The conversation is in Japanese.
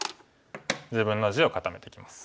自分の地を固めてきます。